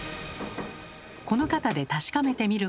この方で確かめてみることに。